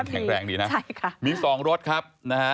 แข็งแรงดีนะใช่ค่ะมีสองรถครับนะฮะ